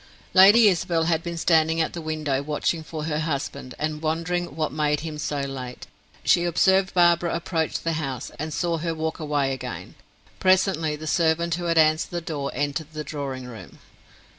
Lady Isabel had been standing at the window watching for her husband and wondering what made him so late. She observed Barbara approach the house, and saw her walk away again. Presently the servant who had answered the door, entered the drawing room.